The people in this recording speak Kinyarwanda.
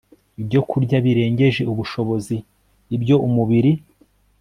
ibyokurya birengeje ubushobozi ibyo umubiri